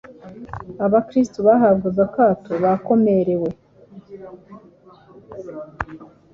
Abakristu bahabwaga akato, bakomorewe